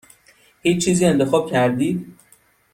هیچ چیزی انتخاب کردید؟